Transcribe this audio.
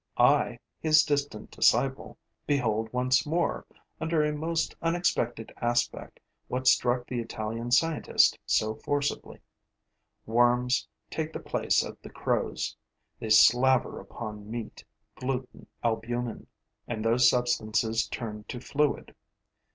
I, his distant disciple, behold once more, under a most unexpected aspect, what struck the Italian scientist so forcibly. Worms take the place of the crows. They slaver upon meat, gluten, albumen; and those substances turn to fluid.